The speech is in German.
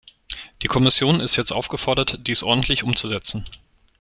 Die Kommission ist jetzt aufgefordert, dies ordentlich umzusetzen.